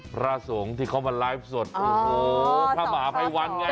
พระสงฆ์ที่เขามาไลฟ์สดโอ้โหพระมหาภัยวันไง